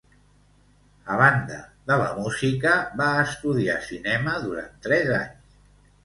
A banda de la música, va estudiar cinema durant tres anys.